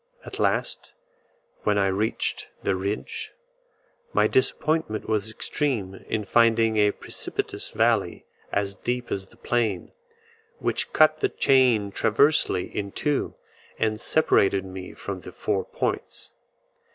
At last, when I reached the ridge, my disappointment was extreme in finding a precipitous valley as deep as the plain, which cut the chain transversely in two, and separated me from the four points.